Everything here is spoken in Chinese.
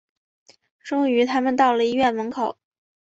终于他们到了医院门口